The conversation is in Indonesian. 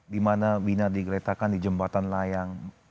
dimana wina digeretakan di jembatan layang